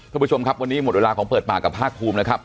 คุณผู้ชมครับวันนี้หมดเวลาของเปิดปากกับภาคภูมินะครับ